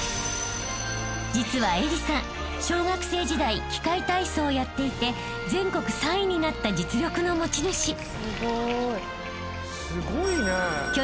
［実は愛理さん小学生時代器械体操をやっていて全国３位になった実力の持ち主］